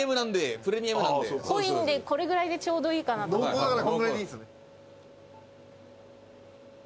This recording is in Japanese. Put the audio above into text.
濃厚だからこのぐらいでいいんですね。